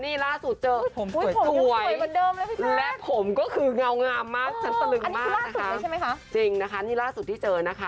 นี่ล่าสุดเจอสวยและผมก็คือเงามากฉันตลึกมากนะคะจริงนะคะนี่ล่าสุดที่เจอนะคะ